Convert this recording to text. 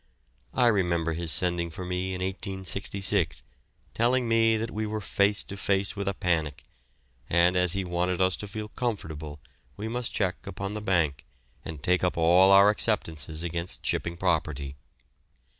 I remember his sending for me in 1866, telling me that we were face to face with a panic, and as he wanted us to feel comfortable we must cheque upon the bank and take up all our acceptances against shipping property.